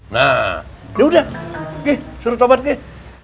nah yaudah suruh tobat gih